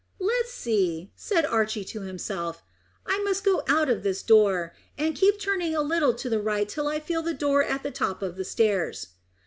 "Let's see," said Archy to himself. "I must go out of this door, and keep turning a little to the right till I feel the door at the top of the stairs."